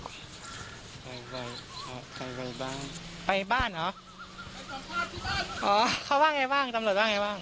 ไปบ้านไปบ้านหรออ๋อเข้าบ้านไงบ้างตำรวจบ้างไงบ้าง